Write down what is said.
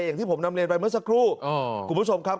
อย่างที่ผมนำเรียนไปเมื่อสักครู่คุณผู้ชมครับ